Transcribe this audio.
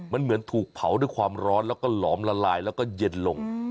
มันเหมือนถูกเผาด้วยความร้อนแล้วก็หลอมละลายแล้วก็เย็นลง